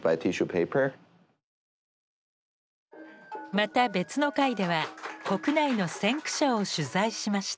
また別の回では国内の先駆者を取材しました。